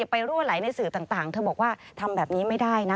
รั่วไหลในสื่อต่างเธอบอกว่าทำแบบนี้ไม่ได้นะ